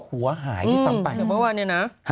หัวหายทีซ้ำไป